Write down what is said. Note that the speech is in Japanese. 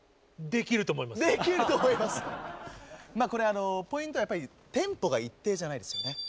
これポイントはやっぱりテンポが一定じゃないですよね。